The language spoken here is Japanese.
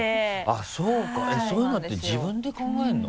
あっそうかそういうのって自分で考えるの？